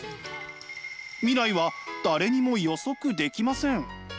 未来は誰にも予測できません。